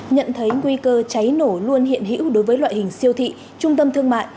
nhận thấy nguy cơ cháy nổ luôn hiện hữu đối với loại hình siêu thị trung tâm thương mại